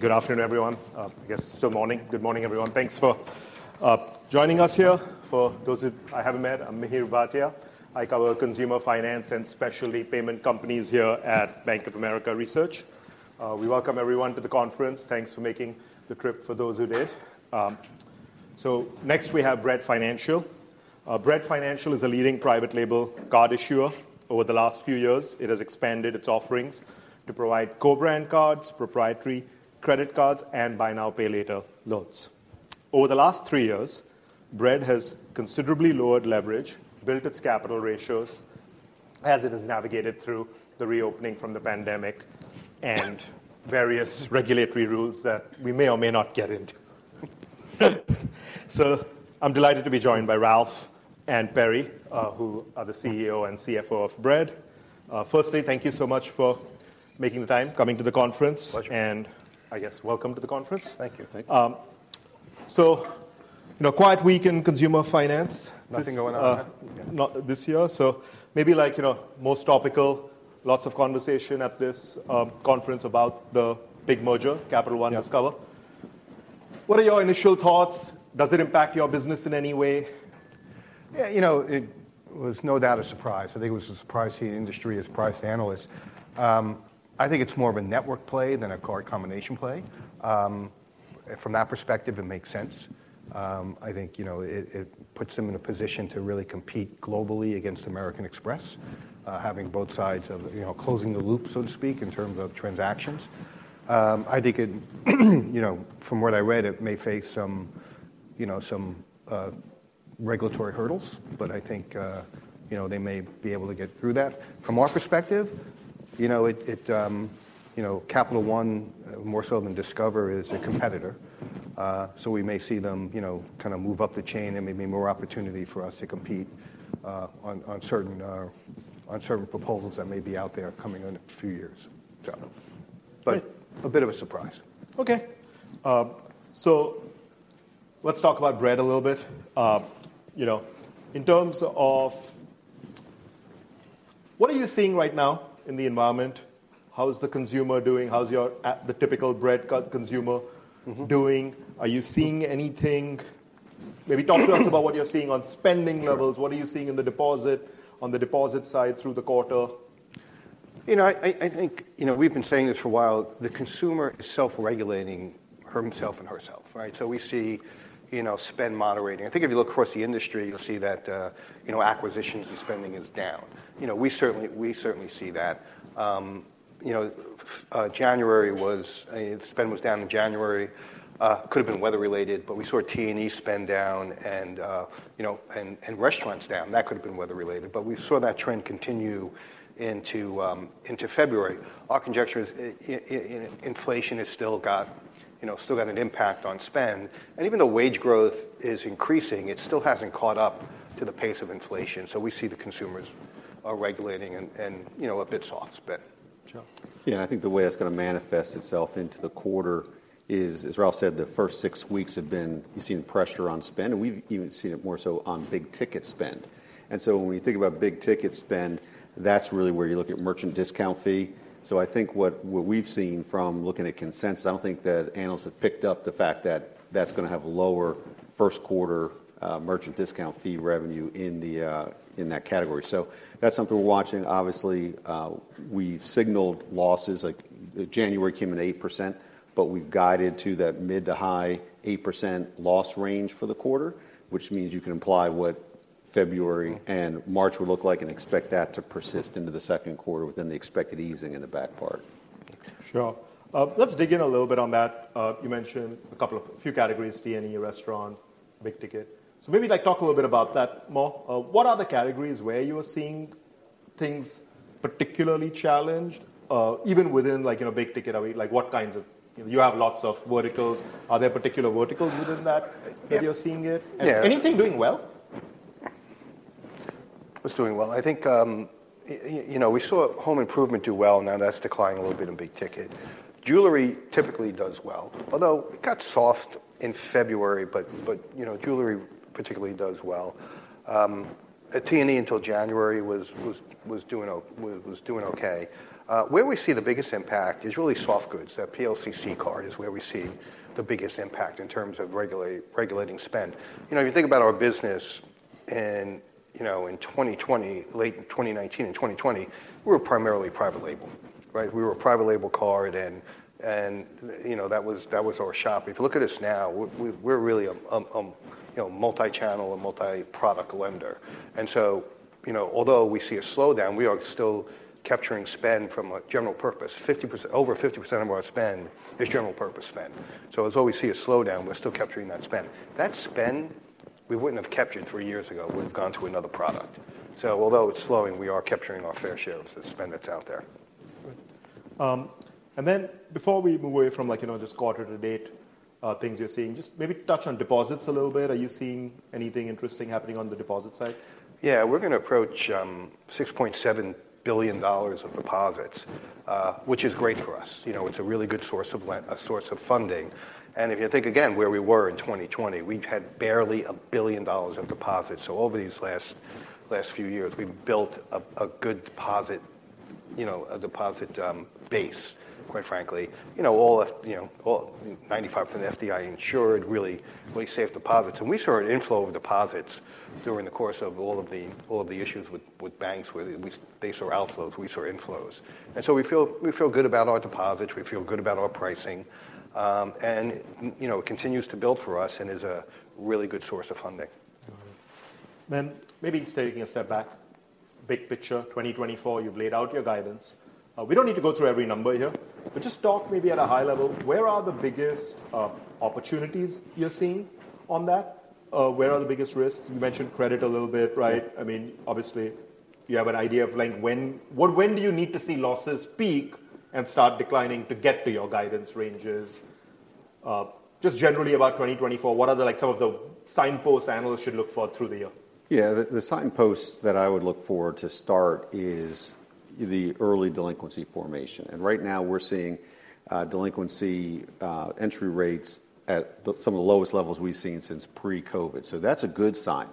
Good afternoon, everyone. I guess it's still morning. Good morning, everyone. Thanks for joining us here. For those who I haven't met, I'm Mihir Bhatia. I cover consumer finance and specialty payment companies here at Bank of America Research. We welcome everyone to the conference. Thanks for making the trip for those who did. So, next we have Bread Financial. Bread Financial is a leading private label card issuer. Over the last few years, it has expanded its offerings to provide co-brand cards, proprietary credit cards, and buy now, pay later loans. Over the last three years, Bread has considerably lowered leverage, built its capital ratios as it has navigated through the reopening from the pandemic and various regulatory rules that we may or may not get into. So, I'm delighted to be joined by Ralph and Perry, who are the CEO and CFO of Bread. Firstly, thank you so much for making the time, coming to the conference. Pleasure. I guess, welcome to the conference. Thank you. Thank you. So, quite weak in consumer finance. Nothing going on there? Not this year. So, maybe like most topical, lots of conversation at this conference about the big merger, Capital One Discover. What are your initial thoughts? Does it impact your business in any way? Yeah, you know, it was no doubt a surprise. I think it was a surprise to the industry, as price analysts. I think it's more of a network play than a card combination play. From that perspective, it makes sense. I think it puts them in a position to really compete globally against American Express, having both sides of closing the loop, so to speak, in terms of transactions. I think it, from what I read, it may face some regulatory hurdles, but I think they may be able to get through that. From our perspective, Capital One, more so than Discover, is a competitor. So, we may see them kind of move up the chain. It may be more opportunity for us to compete on certain proposals that may be out there coming in a few years. So, but a bit of a surprise. Okay. So, let's talk about Bread a little bit. In terms of what are you seeing right now in the environment? How is the consumer doing? How is the typical Bread consumer doing? Are you seeing anything? Maybe talk to us about what you're seeing on spending levels. What are you seeing in the deposit, on the deposit side through the quarter? You know, I think we've been saying this for a while. The consumer is self-regulating himself and herself, right? So, we see spend moderating. I think if you look across the industry, you'll see that acquisitions and spending is down. We certainly see that. January was spend was down in January. Could have been weather-related, but we saw T&E spend down and restaurants down. That could have been weather-related, but we saw that trend continue into February. Our conjecture is inflation has still got an impact on spend. And even though wage growth is increasing, it still hasn't caught up to the pace of inflation. So, we see the consumers are regulating and a bit soft spend. Sure. Yeah, and I think the way it's going to manifest itself into the quarter is, as Ralph said, the first six weeks have been you've seen pressure on spend, and we've even seen it more so on big-ticket spend. And so, when you think about big-ticket spend, that's really where you look at merchant discount fee. So, I think what we've seen from looking at consensus, I don't think that analysts have picked up the fact that that's going to have lower Q1 merchant discount fee revenue in that category. So, that's something we're watching. Obviously, we've signaled losses. January came in at 8%, but we've guided to that mid- to high 8% loss range for the quarter, which means you can apply what February and March would look like and expect that to persist into the Q2 within the expected easing in the back part. Sure. Let's dig in a little bit on that. You mentioned a couple of few categories: T&E, restaurant, big-ticket. So, maybe talk a little bit about that more. What other categories where you are seeing things particularly challenged, even within big-ticket? What kinds of you have lots of verticals. Are there particular verticals within that that you're seeing it? And anything doing well? What's doing well? I think we saw home improvement do well. Now, that's declining a little bit in big-ticket. Jewelry typically does well, although it got soft in February, but jewelry particularly does well. T&E until January was doing OK. Where we see the biggest impact is really soft goods. That PLCC card is where we see the biggest impact in terms of regulating spend. If you think about our business in 2020, late 2019 and 2020, we were primarily private label, right? We were a private label card, and that was our shop. If you look at us now, we're really a multi-channel and multi-product lender. And so, although we see a slowdown, we are still capturing spend from a general purpose. Over 50% of our spend is general-purpose spend. So, as though we see a slowdown, we're still capturing that spend. That spend we wouldn't have captured three years ago would have gone to another product. So, although it's slowing, we are capturing our fair share of the spend that's out there. Good. And then, before we move away from just quarter-to-date things you're seeing, just maybe touch on deposits a little bit. Are you seeing anything interesting happening on the deposit side? Yeah, we're going to approach $6.7 billion of deposits, which is great for us. It's a really good source of funding. And if you think, again, where we were in 2020, we had barely $1 billion of deposits. So, over these last few years, we've built a good deposit base, quite frankly. All 95% FDIC insured, really safe deposits. And we saw an inflow of deposits during the course of all of the issues with banks. They saw outflows. We saw inflows. And so, we feel good about our deposits. We feel good about our pricing. And it continues to build for us and is a really good source of funding. Got it. Then, maybe taking a step back, big picture, 2024, you've laid out your guidance. We don't need to go through every number here, but just talk maybe at a high level. Where are the biggest opportunities you're seeing on that? Where are the biggest risks? You mentioned credit a little bit, right? I mean, obviously, you have an idea of when do you need to see losses peak and start declining to get to your guidance ranges? Just generally, about 2024, what are some of the signposts analysts should look for through the year? Yeah, the signposts that I would look forward to start is the early delinquency formation. Right now, we're seeing delinquency entry rates at some of the lowest levels we've seen since pre-COVID. That's a good sign.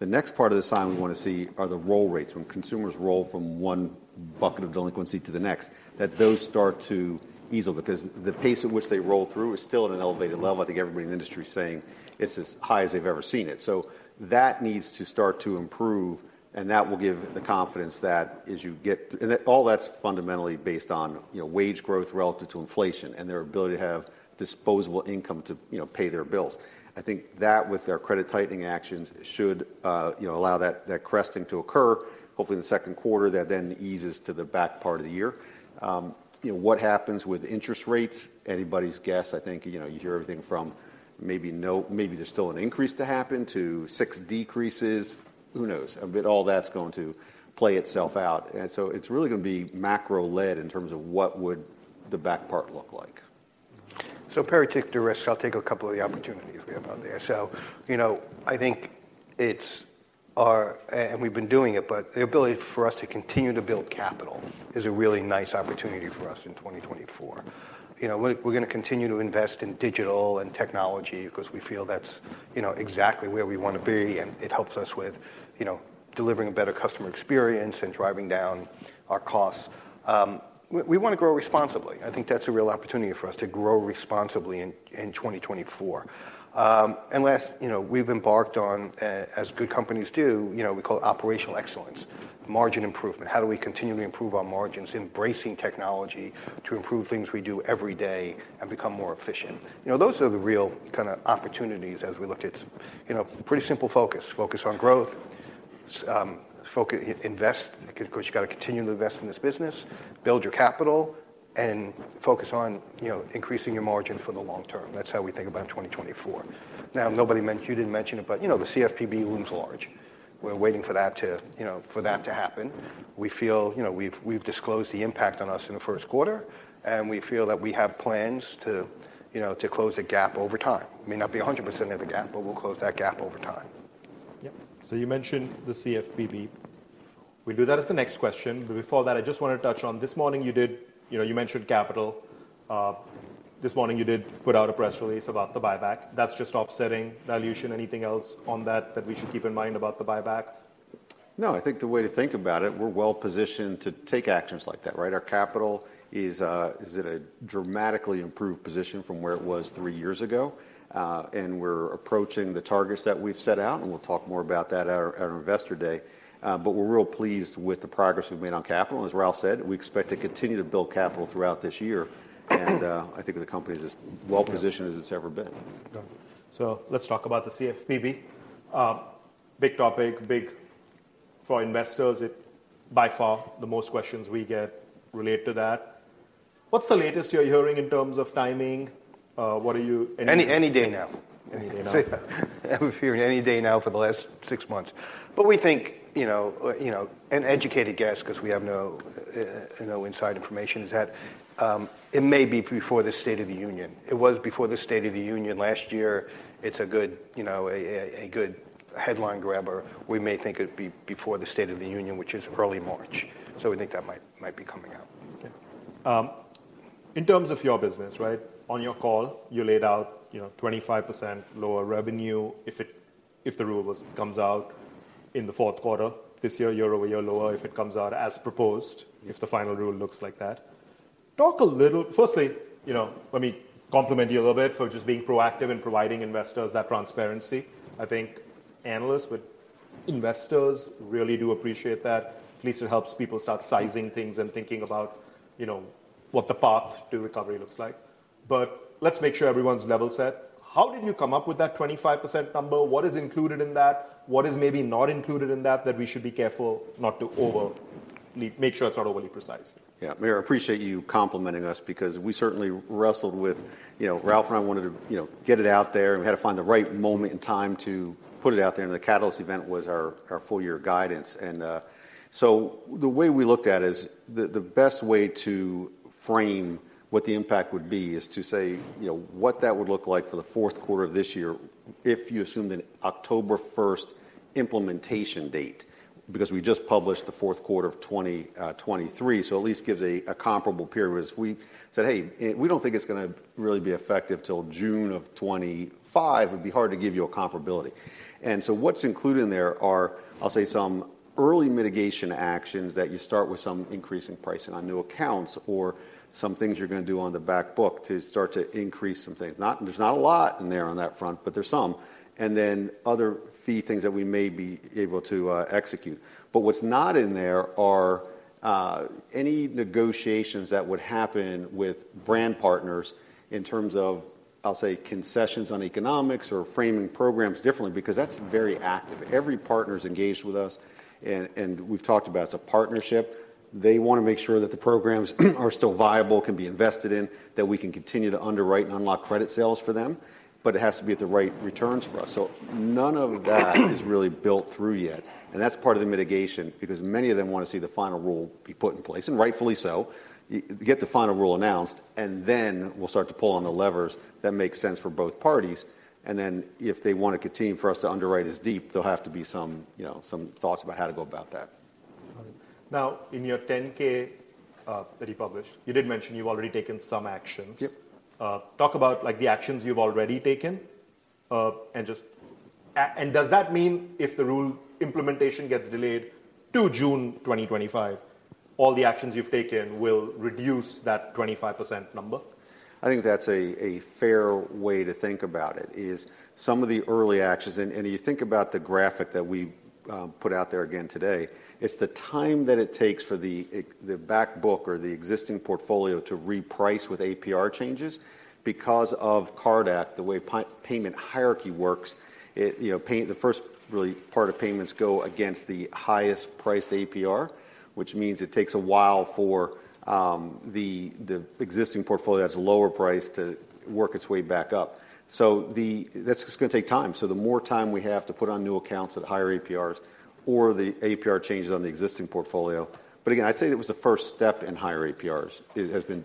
The next part of the sign we want to see are the roll rates, when consumers roll from one bucket of delinquency to the next, that those start to ease because the pace at which they roll through is still at an elevated level. I think everybody in the industry is saying it's as high as they've ever seen it. That needs to start to improve, and that will give the confidence that as you get and all that's fundamentally based on wage growth relative to inflation and their ability to have disposable income to pay their bills. I think that, with their credit-tightening actions, should allow that cresting to occur, hopefully in the Q2. That then eases to the back part of the year. What happens with interest rates? Anybody's guess. I think you hear everything from maybe there's still an increase to happen to six decreases. Who knows? All that's going to play itself out. And so, it's really going to be macro-led in terms of what would the back part look like. So, Perry, take the risks. I'll take a couple of the opportunities we have out there. So, I think it's our and we've been doing it, but the ability for us to continue to build capital is a really nice opportunity for us in 2024. We're going to continue to invest in digital and technology because we feel that's exactly where we want to be, and it helps us with delivering a better customer experience and driving down our costs. We want to grow responsibly. I think that's a real opportunity for us to grow responsibly in 2024. And last, we've embarked on, as good companies do, we call it operational excellence, margin improvement. How do we continually improve our margins, embracing technology to improve things we do every day and become more efficient? Those are the real kind of opportunities as we look at pretty simple focus: focus on growth, invest because you've got to continue to invest in this business, build your capital, and focus on increasing your margin for the long term. That's how we think about 2024. Now, nobody mentioned. You didn't mention it, but the CFPB looms large. We're waiting for that to happen. We feel we've disclosed the impact on us in the Q1, and we feel that we have plans to close the gap over time. We may not be 100% of the gap, but we'll close that gap over time. Yep. So, you mentioned the CFPB. We'll do that as the next question. But before that, I just want to touch on this morning, you did, you mentioned capital. This morning, you did put out a press release about the buyback. That's just offsetting valuation. Anything else on that that we should keep in mind about the buyback? No, I think the way to think about it, we're well-positioned to take actions like that, right? Our capital is in a dramatically improved position from where it was three years ago. We're approaching the targets that we've set out, and we'll talk more about that at our investor day. But we're real pleased with the progress we've made on capital. And as Ralph said, we expect to continue to build capital throughout this year. And I think the company is as well-positioned as it's ever been. Got it. So, let's talk about the CFPB. Big topic, big for investors. By far, the most questions we get relate to that. What's the latest you're hearing in terms of timing? What are you? Any day now. Any day now. We've been hearing any day now for the last six months. But we think an educated guess, because we have no inside information, is that it may be before the State of the Union. It was before the State of the Union last year. It's a good headline grabber. We may think it'd be before the State of the Union, which is early March. So, we think that might be coming out. Okay. In terms of your business, right, on your call, you laid out 25% lower revenue if the rule comes out in the Q4 this year, year-over-year lower if it comes out as proposed, if the final rule looks like that. Talk a little firstly, let me compliment you a little bit for just being proactive in providing investors that transparency. I think analysts but investors really do appreciate that. At least it helps people start sizing things and thinking about what the path to recovery looks like. But let's make sure everyone's level set. How did you come up with that 25% number? What is included in that? What is maybe not included in that that we should be careful not to overly make sure it's not overly precise? Yeah, Mihir, I appreciate you complimenting us because we certainly wrestled with Ralph and I wanted to get it out there, and we had to find the right moment in time to put it out there. And the catalyst event was our full-year guidance. And so, the way we looked at it is the best way to frame what the impact would be is to say what that would look like for the Q4 of this year if you assumed an October 1st implementation date because we just published the Q4 of 2023. So, at least gives a comparable period. We said, "Hey, we don't think it's going to really be effective until June of 2025. It would be hard to give you a comparability." And so, what's included in there are, I'll say, some early mitigation actions that you start with some increasing pricing on new accounts or some things you're going to do on the back book to start to increase some things. There's not a lot in there on that front, but there's some. And then other fee things that we may be able to execute. But what's not in there are any negotiations that would happen with brand partners in terms of, I'll say, concessions on economics or framing programs differently because that's very active. Every partner is engaged with us, and we've talked about it's a partnership. They want to make sure that the programs are still viable, can be invested in, that we can continue to underwrite and unlock credit sales for them, but it has to be at the right returns for us. So, none of that is really built through yet. That's part of the mitigation because many of them want to see the final rule be put in place, and rightfully so. Get the final rule announced, and then we'll start to pull on the levers that make sense for both parties. If they want to continue for us to underwrite as deep, there'll have to be some thoughts about how to go about that. Got it. Now, in your 10-K that you published, you did mention you've already taken some actions. Talk about the actions you've already taken. And does that mean if the rule implementation gets delayed to June 2025, all the actions you've taken will reduce that 25% number? I think that's a fair way to think about it is some of the early actions. You think about the graphic that we put out there again today. It's the time that it takes for the back book or the existing portfolio to reprice with APR changes because of the CARD Act, the way payment hierarchy works. The first really part of payments go against the highest priced APR, which means it takes a while for the existing portfolio that's lower priced to work its way back up. That's going to take time. The more time we have to put on new accounts at higher APRs or the APR changes on the existing portfolio. Again, I'd say that was the first step in higher APRs has been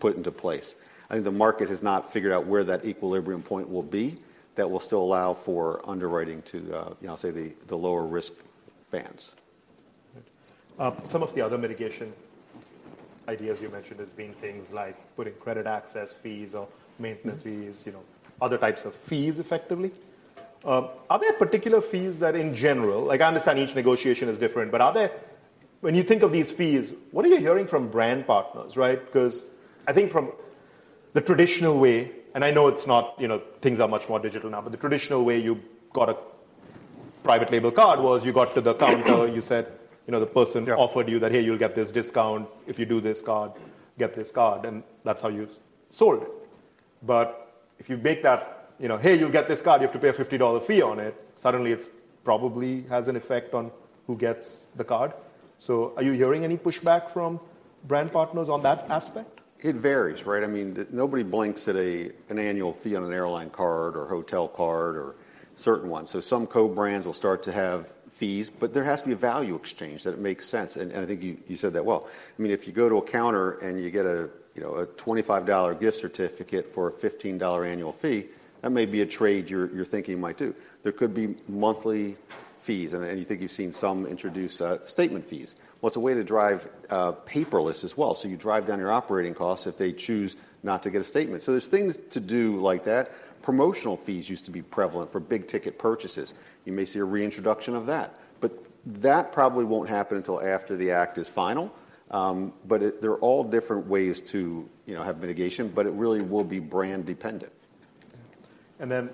put into place. I think the market has not figured out where that equilibrium point will be that will still allow for underwriting to, I'll say, the lower risk bands. Some of the other mitigation ideas you mentioned as being things like putting credit access fees or maintenance fees, other types of fees effectively. Are there particular fees that, in general I understand each negotiation is different, but when you think of these fees, what are you hearing from brand partners, right? Because I think from the traditional way and I know it's not things are much more digital now, but the traditional way you got a private label card was you got to the counter, you said the person offered you that, "Hey, you'll get this discount if you do this card. Get this card." And that's how you sold it. But if you make that, "Hey, you'll get this card. You have to pay a $50 fee on it," suddenly it probably has an effect on who gets the card. Are you hearing any pushback from brand partners on that aspect? It varies, right? I mean, nobody blinks at an annual fee on an airline card or hotel card or certain ones. So, some co-brands will start to have fees, but there has to be a value exchange that it makes sense. And I think you said that well. I mean, if you go to a counter and you get a $25 gift certificate for a $15 annual fee, that may be a trade you're thinking you might do. There could be monthly fees, and you think you've seen some introduce statement fees. Well, it's a way to drive paperless as well. So, you drive down your operating costs if they choose not to get a statement. So, there's things to do like that. Promotional fees used to be prevalent for big-ticket purchases. You may see a reintroduction of that. But that probably won't happen until after the act is final. But there are all different ways to have mitigation, but it really will be brand-dependent. And then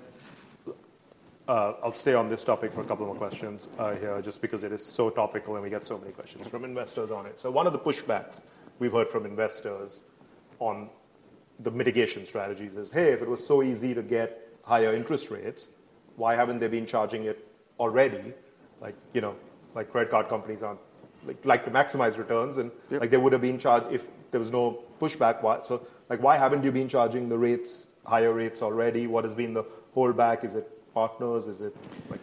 I'll stay on this topic for a couple more questions here just because it is so topical and we get so many questions from investors on it. So, one of the pushbacks we've heard from investors on the mitigation strategies is, "Hey, if it was so easy to get higher interest rates, why haven't they been charging it already?" Like credit card companies like to maximize returns, and they would have been charged if there was no pushback. So, why haven't you been charging the rates, higher rates already? What has been the holdback? Is it partners? Is it?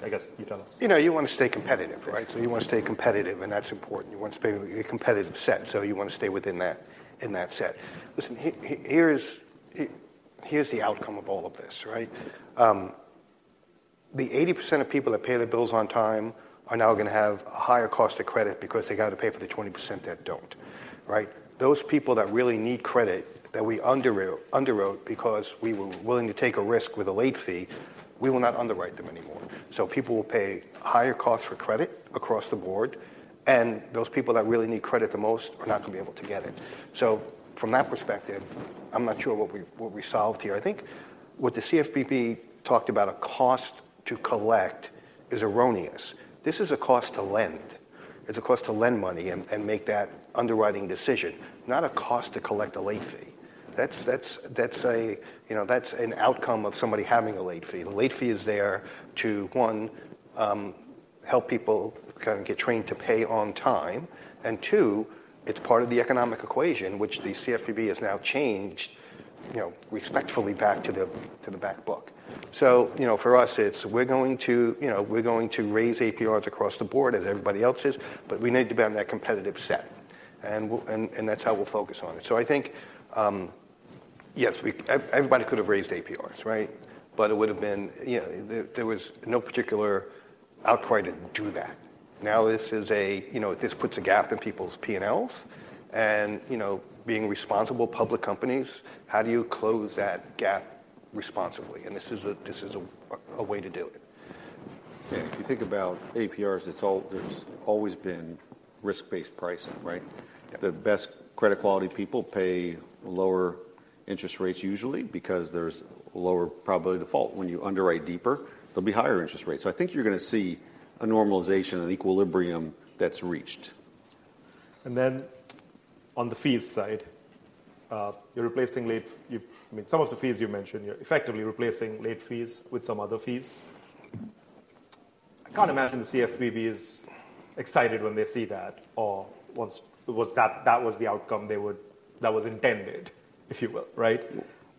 I guess you tell us. You want to stay competitive, right? So, you want to stay competitive, and that's important. You want to stay in a competitive set, so you want to stay within that set. Listen, here's the outcome of all of this, right? The 80% of people that pay their bills on time are now going to have a higher cost of credit because they got to pay for the 20% that don't, right? Those people that really need credit that we underwrote because we were willing to take a risk with a late fee, we will not underwrite them anymore. So, people will pay higher costs for credit across the board, and those people that really need credit the most are not going to be able to get it. So, from that perspective, I'm not sure what we solved here. I think what the CFPB talked about, a cost to collect, is erroneous. This is a cost to lend. It's a cost to lend money and make that underwriting decision, not a cost to collect a late fee. That's an outcome of somebody having a late fee. The late fee is there to, one, help people kind of get trained to pay on time. And two, it's part of the economic equation, which the CFPB has now changed respectfully back to the back book. So, for us, it's we're going to raise APRs across the board as everybody else is, but we need to be on that competitive set. And that's how we'll focus on it. So, I think, yes, everybody could have raised APRs, right? But it would have been there was no particular outcry to do that. Now, this is a this puts a gap in people's P&Ls. Being responsible public companies, how do you close that gap responsibly? This is a way to do it. If you think about APRs, there's always been risk-based pricing, right? The best credit-quality people pay lower interest rates usually because there's lower probability of default. When you underwrite deeper, there'll be higher interest rates. So, I think you're going to see a normalization, an equilibrium that's reached. And then on the fees side, you're replacing late, I mean, some of the fees you mentioned, you're effectively replacing late fees with some other fees. I can't imagine the CFPB is excited when they see that or that was the outcome they would that was intended, if you will, right?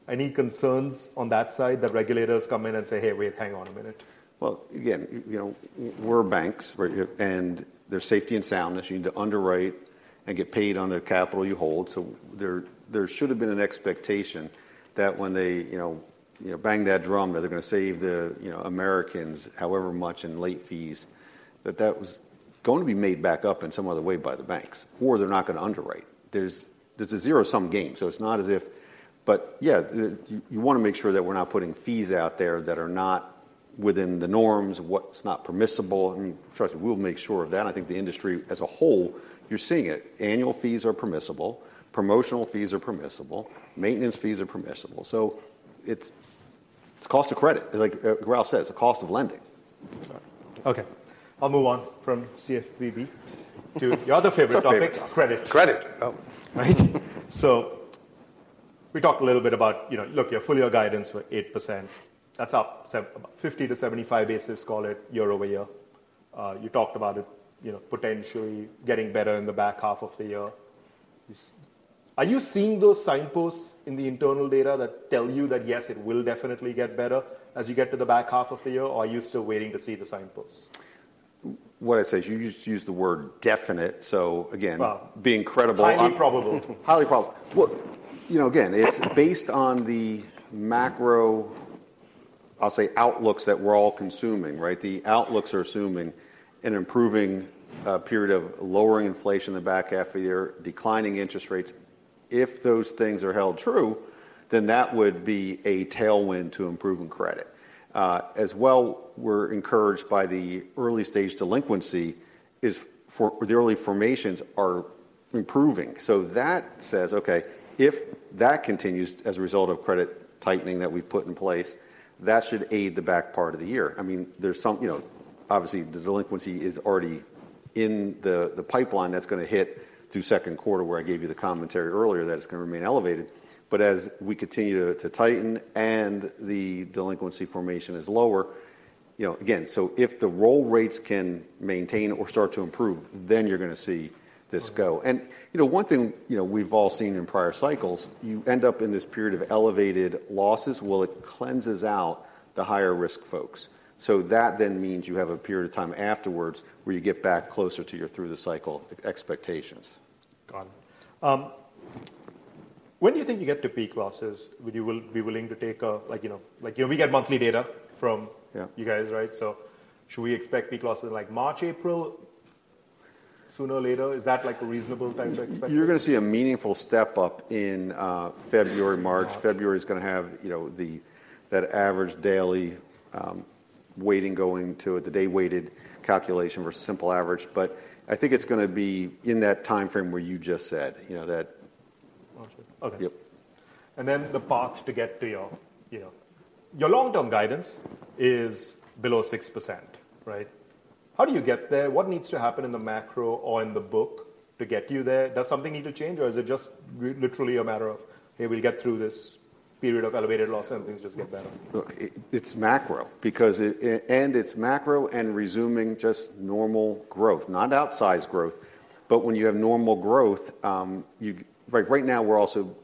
Any concerns on that side that regulators come in and say, "Hey, wait, hang on a minute"? Well, again, we're banks, and there's safety and soundness. You need to underwrite and get paid on the capital you hold. So, there should have been an expectation that when they bang that drum that they're going to save the Americans however much in late fees, that that was going to be made back up in some other way by the banks, or they're not going to underwrite. There's a zero-sum game. So, it's not as if, but yeah, you want to make sure that we're not putting fees out there that are not within the norms, what's not permissible. And trust me, we'll make sure of that. And I think the industry as a whole, you're seeing it. Annual fees are permissible. Promotional fees are permissible. Maintenance fees are permissible. So, it's cost of credit. Like Ralph said, it's a cost of lending. Got it. Okay. I'll move on from CFPB to your other favorite topic, credit. Credit. Right? So, we talked a little bit about, look, your full-year guidance for 8%. That's up about 50-75 basis, call it, year-over-year. You talked about it potentially getting better in the back half of the year. Are you seeing those signposts in the internal data that tell you that, yes, it will definitely get better as you get to the back half of the year, or are you still waiting to see the signposts? What I say is you just used the word definite. So, again, being credible. Highly probable. Highly probable. Well, again, it's based on the macro, I'll say, outlooks that we're all consuming, right? The outlooks are assuming an improving period of lowering inflation in the back half of the year, declining interest rates. If those things are held true, then that would be a tailwind to improving credit. As well, we're encouraged by the early-stage delinquency is for the early formations are improving. So, that says, "Okay, if that continues as a result of credit tightening that we've put in place, that should aid the back part of the year." I mean, there's some obviously, the delinquency is already in the pipeline that's going to hit through Q2, where I gave you the commentary earlier that it's going to remain elevated. But as we continue to tighten and the delinquency formation is lower again, so if the roll rates can maintain or start to improve, then you're going to see this go. And one thing we've all seen in prior cycles, you end up in this period of elevated losses while it cleanses out the higher-risk folks. So, that then means you have a period of time afterwards where you get back closer to your through-the-cycle expectations. Got it. When do you think you get to peak losses? Would you be willing to take a guess? We get monthly data from you guys, right? So, should we expect peak losses in March, April, sooner or later? Is that a reasonable time to expect? You're going to see a meaningful step up in February, March. February is going to have that average daily weighting going to it, the day-weighted calculation versus simple average. But I think it's going to be in that time frame where you just said that. Okay. And then the path to get to your long-term guidance is below 6%, right? How do you get there? What needs to happen in the macro or in the book to get you there? Does something need to change, or is it just literally a matter of, "Hey, we'll get through this period of elevated loss and things just get better"? It's macro. And it's macro and resuming just normal growth, not outsized growth. But when you have normal growth, right now, we're also,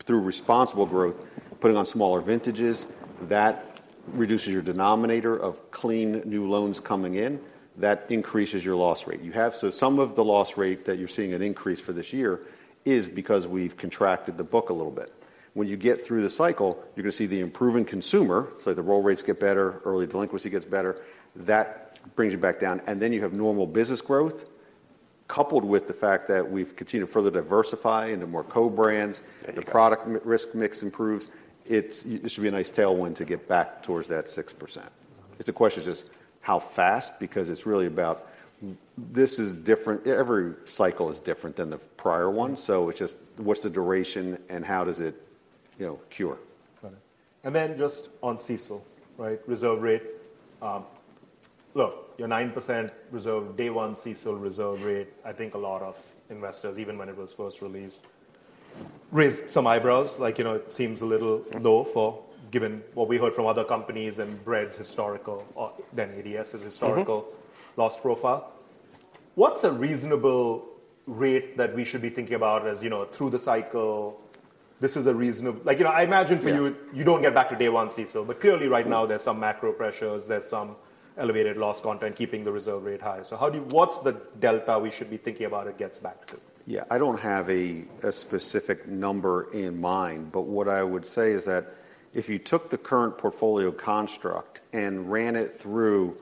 through responsible growth, putting on smaller vintages. That reduces your denominator of clean new loans coming in. That increases your loss rate. So, some of the loss rate that you're seeing an increase for this year is because we've contracted the book a little bit. When you get through the cycle, you're going to see the improving consumer. So, the roll rates get better. Early delinquency gets better. That brings you back down. And then you have normal business growth coupled with the fact that we've continued to further diversify into more co-brands. The product risk mix improves. It should be a nice tailwind to get back towards that 6%. It's a question of just how fast because it's really about this is different. Every cycle is different than the prior one. So, it's just what's the duration and how does it cure? Got it. And then just on CECL, right? Reserve rate. Look, your 9% reserve, day-one CECL reserve rate. I think a lot of investors, even when it was first released, raised some eyebrows. It seems a little low, given what we heard from other companies and Bread's historical and ADS's historical loss profile. What's a reasonable rate that we should be thinking about as through the cycle? This is reasonable, I imagine, for you. You don't get back to day-one CECL, but clearly, right now, there's some macro pressures. There's some elevated loss content keeping the reserve rate high. So, what's the delta we should be thinking about it gets back to? Yeah, I don't have a specific number in mind, but what I would say is that if you took the current portfolio construct and ran it through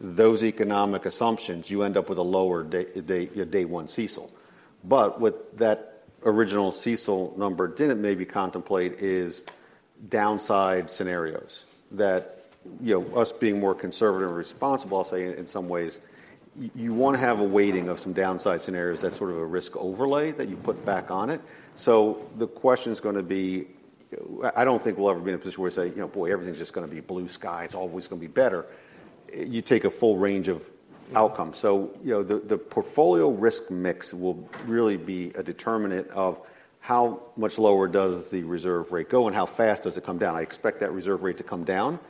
those economic assumptions, you end up with a lower day-one CECL. But what that original CECL number didn't maybe contemplate is downside scenarios, that us being more conservative and responsible, I'll say, in some ways, you want to have a weighting of some downside scenarios that's sort of a risk overlay that you put back on it. So, the question is going to be, I don't think we'll ever be in a position where we say, "Boy, everything's just going to be blue sky. It's always going to be better." You take a full range of outcomes. So, the portfolio risk mix will really be a determinant of how much lower does the reserve rate go and how fast does it come down. I expect that reserve rate to come down.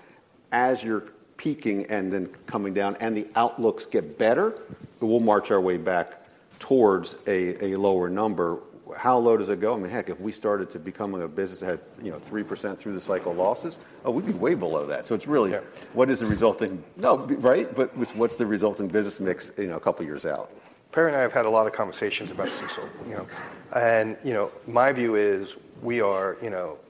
As you're peaking and then coming down and the outlooks get better, we'll march our way back towards a lower number. How low does it go? I mean, heck, if we started to become a business that had 3% through-the-cycle losses, oh, we'd be way below that. So, it's really what is the resulting no, right? But what's the resulting business mix a couple years out? Perry and I have had a lot of conversations about CECL. My view is we are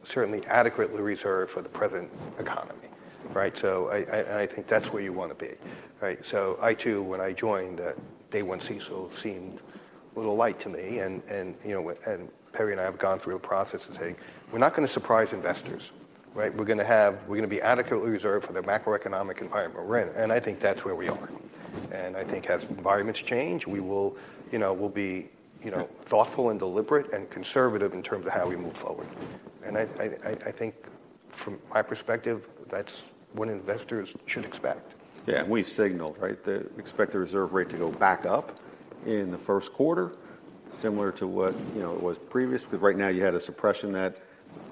certainly adequately reserved for the present economy, right? I think that's where you want to be, right? So, I, too, when I joined that day-one CECL seemed a little light to me. Perry and I have gone through a process of saying, "We're not going to surprise investors, right? We're going to have we're going to be adequately reserved for the macroeconomic environment we're in." I think that's where we are. I think as environments change, we'll be thoughtful and deliberate and conservative in terms of how we move forward. From my perspective, that's what investors should expect. Yeah, and we've signaled, right? Expect the reserve rate to go back up in the Q1, similar to what it was previous because right now, you had a suppression that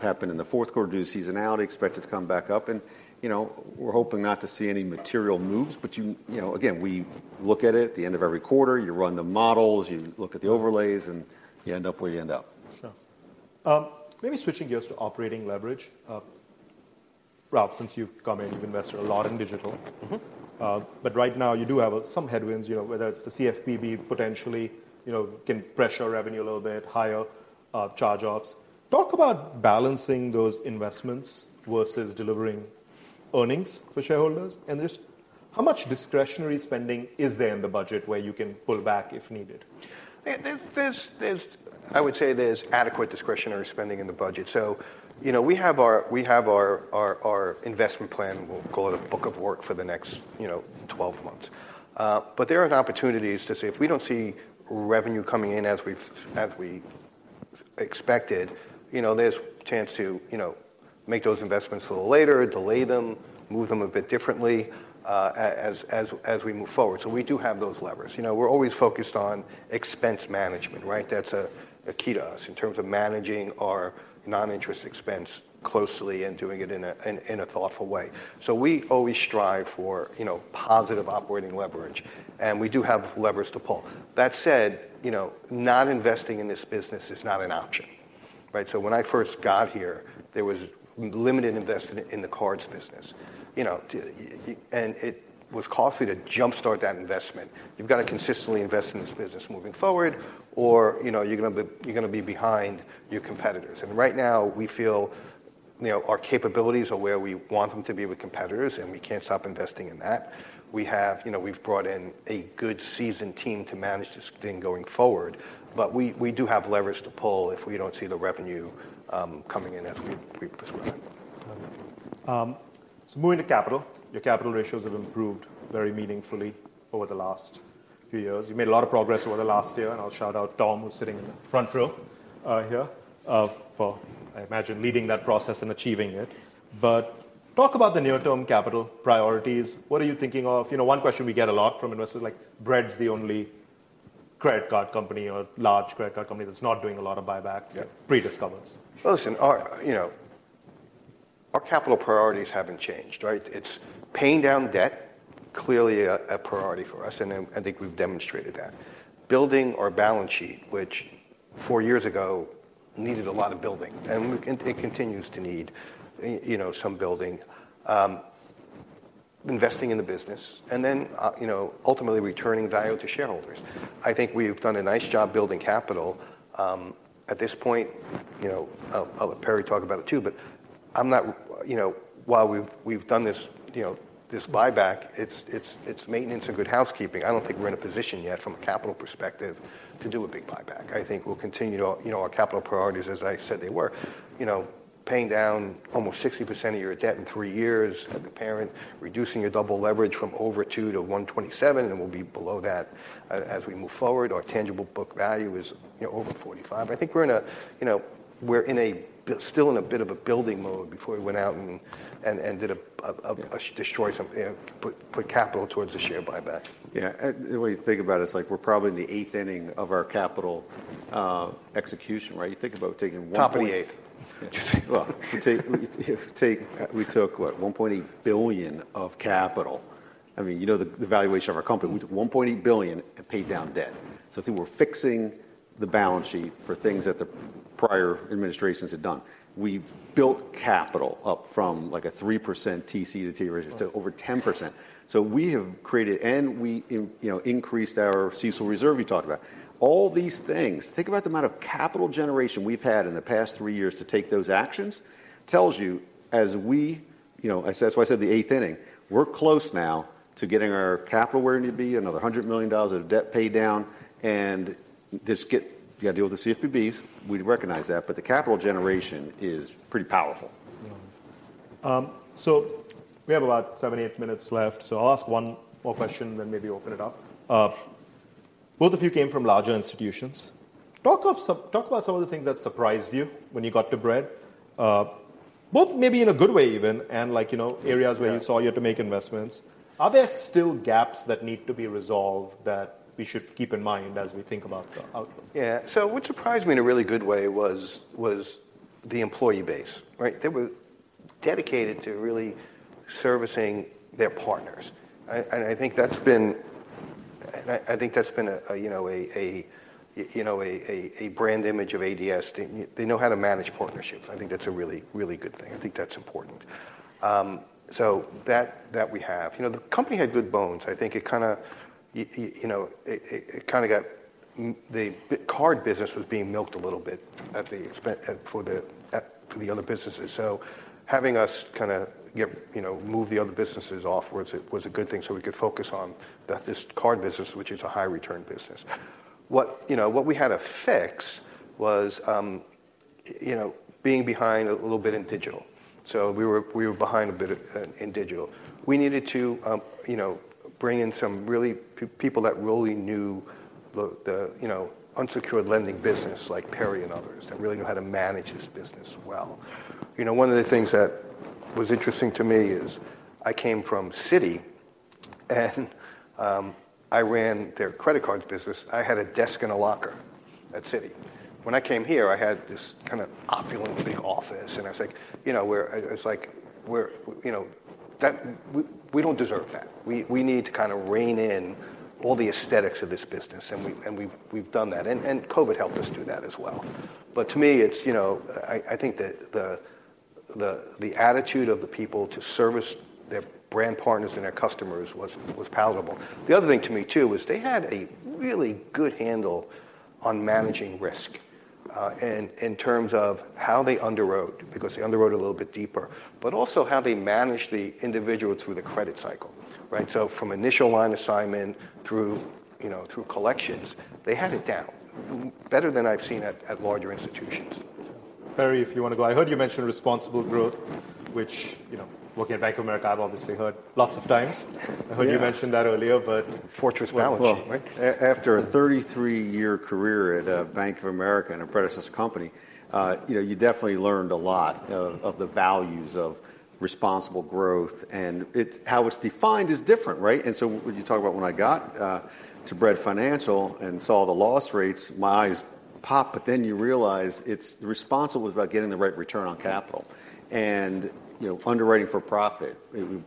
happened in the Q4 due to seasonality. Expect it to come back up. And we're hoping not to see any material moves, but again, we look at it at the end of every quarter. You run the models. You look at the overlays, and you end up where you end up. Sure. Maybe switching gears to operating leverage. Ralph, since you've come in, you've invested a lot in digital. But right now, you do have some headwinds, whether it's the CFPB potentially can pressure revenue a little bit, higher charge-offs. Talk about balancing those investments versus delivering earnings for shareholders. And just how much discretionary spending is there in the budget where you can pull back if needed? I would say there's adequate discretionary spending in the budget. So, we have our investment plan. We'll call it a book of work for the next 12 months. But there are opportunities to say if we don't see revenue coming in as we expected, there's chance to make those investments a little later, delay them, move them a bit differently as we move forward. So, we do have those levers. We're always focused on expense management, right? That's a key to us in terms of managing our non-interest expense closely and doing it in a thoughtful way. So, we always strive for positive operating leverage. And we do have levers to pull. That said, not investing in this business is not an option, right? So, when I first got here, there was limited investment in the cards business. And it was costly to jump-start that investment. You've got to consistently invest in this business moving forward, or you're going to be behind your competitors. Right now, we feel our capabilities are where we want them to be with competitors, and we can't stop investing in that. We've brought in a good seasoned team to manage this thing going forward. We do have levers to pull if we don't see the revenue coming in as we prescribe. Got it. So, moving to capital, your capital ratios have improved very meaningfully over the last few years. You made a lot of progress over the last year. And I'll shout out Tom, who's sitting in the front row here for, I imagine, leading that process and achieving it. But talk about the near-term capital priorities. What are you thinking of? One question we get a lot from investors is, "Bread's the only credit card company or large credit card company that's not doing a lot of buybacks?" Pre-Discovers. Well, listen, our capital priorities haven't changed, right? It's paying down debt, clearly a priority for us. And I think we've demonstrated that. Building our balance sheet, which four years ago needed a lot of building, and it continues to need some building. Investing in the business. And then ultimately, returning value to shareholders. I think we've done a nice job building capital. At this point, I'll let Perry talk about it too. But while we've done this buyback, it's maintenance and good housekeeping. I don't think we're in a position yet, from a capital perspective, to do a big buyback. I think we'll continue our capital priorities as I said they were, paying down almost 60% of your debt in three years as a parent, reducing your double leverage from over 2 to 127, and we'll be below that as we move forward. Our tangible book value is over $45. I think we're still in a bit of a building mode before we went out and did deploy some capital towards the share buyback. Yeah. The way you think about it is we're probably in the eighth inning of our capital execution, right? You think about taking $1.8. Top of the eighth. Well, we took, what, $1.8 billion of capital? I mean, you know the valuation of our company. We took $1.8 billion and paid down debt. So, I think we're fixing the balance sheet for things that the prior administrations had done. We've built capital up from a 3% TCE to TA to over 10%. So, we have created and we increased our CECL reserve you talked about. All these things, think about the amount of capital generation we've had in the past three years to take those actions tells you, as we that's why I said the eighth inning. We're close now to getting our capital where it needs to be, another $100 million of debt paid down. And you got to deal with the CFPBs. We recognize that. But the capital generation is pretty powerful. Got it. So, we have about 7-8 minutes left. So, I'll ask one more question, then maybe open it up. Both of you came from larger institutions. Talk about some of the things that surprised you when you got to Bread, both maybe in a good way even and areas where you saw you had to make investments. Are there still gaps that need to be resolved that we should keep in mind as we think about the outlook? Yeah. So, what surprised me in a really good way was the employee base, right? They were dedicated to really servicing their partners. And I think that's been and I think that's been a brand image of ADS. They know how to manage partnerships. I think that's a really, really good thing. I think that's important. So, that we have. The company had good bones. I think it kind of got the card business was being milked a little bit for the other businesses. So, having us kind of move the other businesses offwards was a good thing so we could focus on this card business, which is a high-return business. What we had to fix was being behind a little bit in digital. So, we were behind a bit in digital. We needed to bring in some really people that really knew the unsecured lending business like Perry and others that really knew how to manage this business well. One of the things that was interesting to me is I came from Citi, and I ran their credit cards business. I had a desk and a locker at Citi. When I came here, I had this kind of opulent big office. I was like, it's like, we don't deserve that. We need to kind of rein in all the aesthetics of this business. We've done that. COVID helped us do that as well. But to me, I think that the attitude of the people to service their brand partners and their customers was palatable. The other thing to me, too, is they had a really good handle on managing risk in terms of how they underwrote because they underwrote a little bit deeper, but also how they managed the individuals through the credit cycle, right? So, from initial line assignment through collections, they had it down better than I've seen at larger institutions. Perry, if you want to go. I heard you mentioned responsible growth, which, working at Bank of America, I've obviously heard lots of times. I heard you mention that earlier, but. Fortress balance sheet, right? After a 33-year career at Bank of America and a predecessor company, you definitely learned a lot of the values of responsible growth. And how it's defined is different, right? And so, when you talk about when I got to Bread Financial and saw the loss rates, my eyes popped. But then you realize responsible was about getting the right return on capital and underwriting for profit,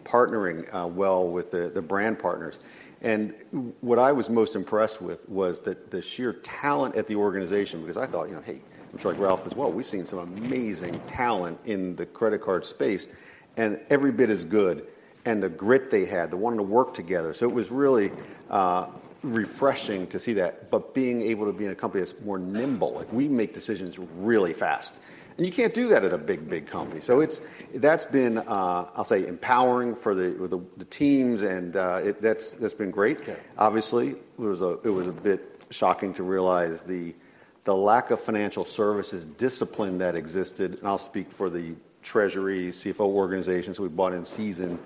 partnering well with the brand partners. And what I was most impressed with was the sheer talent at the organization because I thought, hey, I'm sure like Ralph as well, we've seen some amazing talent in the credit card space. And every bit is good. And the grit they had, the wanting to work together. So, it was really refreshing to see that. But being able to be in a company that's more nimble, like we make decisions really fast. You can't do that at a big, big company. So, that's been, I'll say, empowering for the teams. And that's been great, obviously. It was a bit shocking to realize the lack of financial services discipline that existed. And I'll speak for the treasury CFO organizations. We brought in seasoned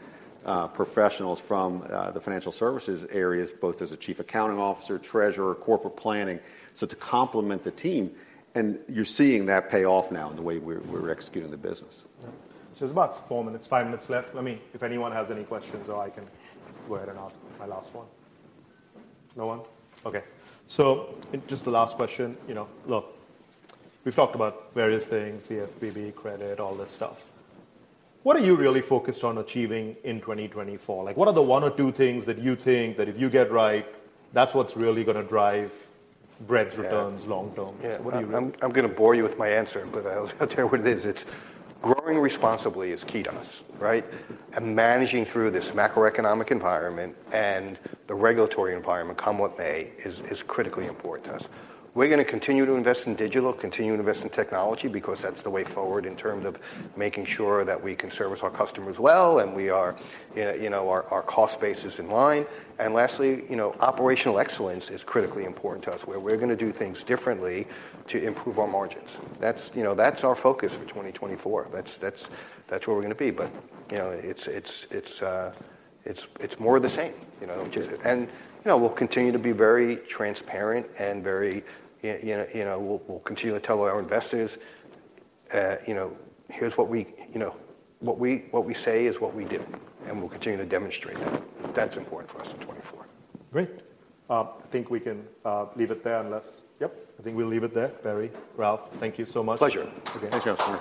professionals from the financial services areas, both as a Chief Accounting Officer, Treasurer, Corporate Planning, so to complement the team. And you're seeing that pay off now in the way we're executing the business. Yeah. So, there's about four minutes, five minutes left. I mean, if anyone has any questions, or I can go ahead and ask my last one. No one? Okay. So, just the last question. Look, we've talked about various things, CFPB, credit, all this stuff. What are you really focused on achieving in 2024? What are the one or two things that you think that if you get right, that's what's really going to drive Bread's returns long term? What are you really? Yeah. I'm going to bore you with my answer, but I'll tell you what it is. Growing responsibly is key to us, right? And managing through this macroeconomic environment and the regulatory environment, come what may, is critically important to us. We're going to continue to invest in digital, continue to invest in technology because that's the way forward in terms of making sure that we can service our customers well and our cost bases in line. And lastly, operational excellence is critically important to us where we're going to do things differently to improve our margins. That's our focus for 2024. That's where we're going to be. But it's more of the same, which is and we'll continue to be very transparent and very we'll continue to tell our investors, here's what we say is what we do. And we'll continue to demonstrate that. That's important for us in 2024. Great. I think we can leave it there unless yep. I think we'll leave it there, Perry. Ralph, thank you so much. Pleasure. Thanks, gentlemen.